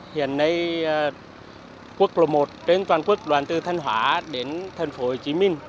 hiện nay quốc lộ một trên toàn quốc đoàn từ thanh hóa đến thành phố hồ chí minh